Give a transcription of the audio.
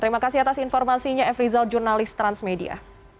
terima kasih atas informasinya f rizal jurnalis transmedia